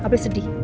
gak boleh sedih